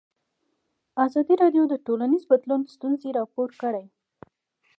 ازادي راډیو د ټولنیز بدلون ستونزې راپور کړي.